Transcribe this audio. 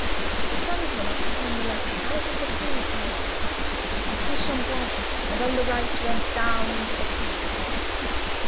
The Sun came up upon the left, Out of the sea came he! And he shone bright, and on the right Went down into the sea.